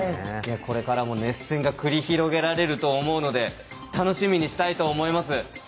これからも熱戦が繰り広げられると思うので楽しみにしたいと思います。